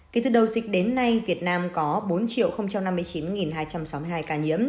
kể từ đầu dịch đến nay việt nam có bốn năm mươi chín hai trăm sáu mươi hai ca nhiễm